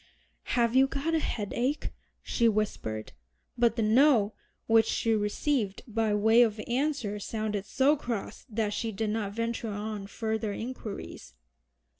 "Have you got a headache?" she whispered; but the "No" which she received by way of answer sounded so cross that she did not venture on further inquiries.